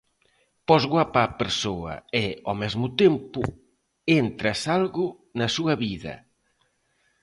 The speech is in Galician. Pos guapa a persoa e, ao mesmo tempo, entras algo na súa vida.